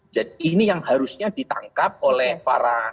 ini yang harusnya ditangkap oleh para